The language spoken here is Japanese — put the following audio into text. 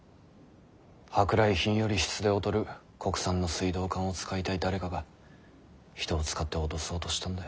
舶来品より質で劣る国産の水道管を使いたい誰かが人を使って脅そうとしたんだ。